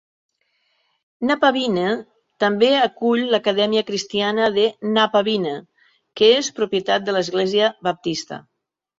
Napavine també acull l'Acadèmia cristiana de Napavine, que és propietat de l'Església baptista.